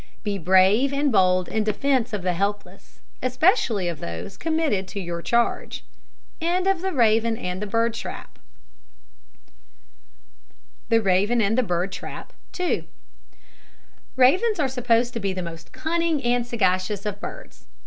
Be brave and bold in defence of the helpless, especially of those committed to your charge. THE RAVEN AND THE BIRD TRAP. Ravens are supposed to be the most cunning and sagacious of birds.